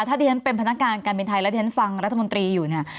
ถ้าที่ฉันเป็นพนักงานการบินไทยแล้วที่ฉันฟังรัฐมนตรีอยู่เนี่ย